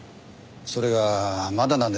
それがまだなんです。